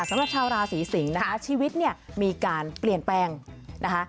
สำหรับชาวราศีสิงศ์นะคะชีวิตเนี่ยมีการเปลี่ยนแปลงนะคะ